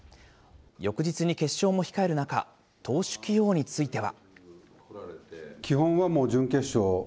翌日に決勝も控える中、投手起用については。